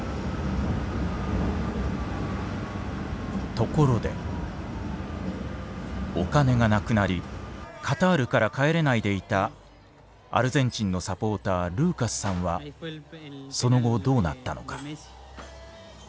ところでお金がなくなりカタールから帰れないでいたアルゼンチンのサポータールーカスさんはその後どうなったのか。